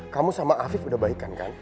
kamu sama afif udah baikan kan